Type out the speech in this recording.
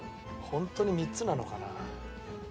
ホントに３つなのかな？